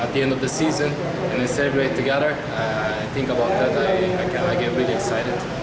di akhir musim dan kita berkumpul saya berpikir saya sangat teruja